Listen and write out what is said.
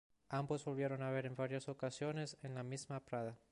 Ambos volvieron a ver en varias ocasiones en la misma Prada.